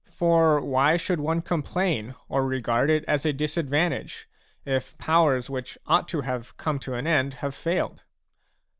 ... For why should one complain or regard it as a disadvantage, if powers which ought to come to an end have failed